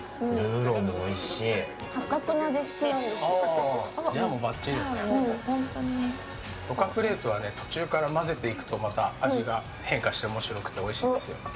ろかプレートは途中から混ぜていくと味が変化して面白くておいしいです。